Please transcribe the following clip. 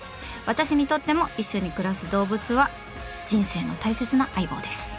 私にとっても一緒に暮らす動物は人生の大切な相棒です。